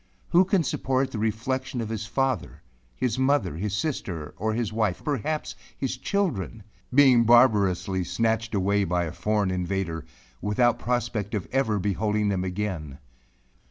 Who can support the reflexion of his father his mother his sister or his wife perhaps his children being barbarously snatched away by a foreign invader, without the prospect of ever beholding them again?